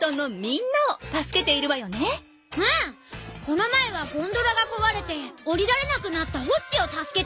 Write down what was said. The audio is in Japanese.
この前はゴンドラがこわれておりられなくなったホッジを助けたよ。